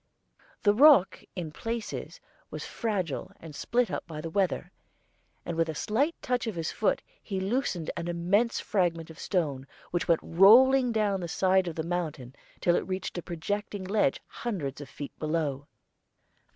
The rock in places was fragile and split up by the weather, and with a slight touch of his foot he loosened an immense fragment of stone, which went rolling down the side of the mountain till it reached a projecting ledge hundreds of feet below.